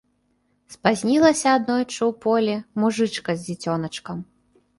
Спазнілася аднойчы ў полі мужычка з дзіцёначкам.